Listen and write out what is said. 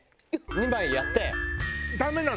２枚やって。